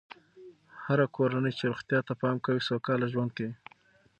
هره کورنۍ چې روغتیا ته پام کوي، سوکاله ژوند کوي.